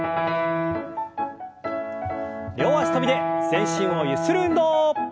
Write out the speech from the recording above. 両脚跳びで全身をゆする運動。